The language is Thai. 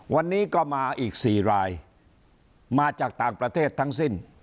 วันนี้ก็มาอีก๔รายมาจากต่างประเทศทั้งสิ้น